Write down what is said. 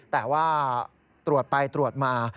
แต่ว่าตรวจไปตรวจมา